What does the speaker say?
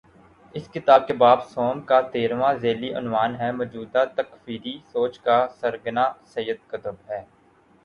اس کتاب کے باب سوم کا تیرھواں ذیلی عنوان ہے: موجودہ تکفیری سوچ کا سرغنہ سید قطب ہے۔